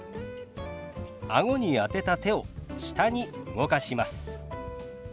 あごに当てた手を下に動かします。